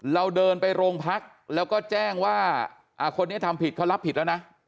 เราเดินไปโรงพักแล้วก็แจ้งว่าคนนี้ทำผิดเขารับผิดแล้วนะ